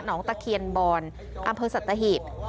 น้องตะเคียนบอร์นอำเภอสัตว์ตะหิต